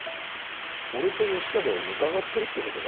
俺と吉永を疑ってるって事か？